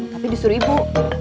tapi disuruh ibu